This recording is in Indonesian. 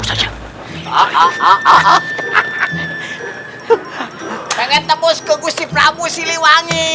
banget tembus kegus di prabu siliwangi